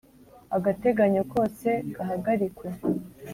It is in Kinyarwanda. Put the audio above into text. Agateganyo kose gahagarikwe.